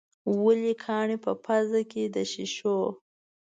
ولې کاڼي په پزه کې د شېشو.